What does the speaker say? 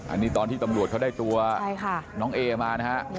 อันนี้ตอนที่ตำรวจเขาได้ตัวน้องเอมานะฮะ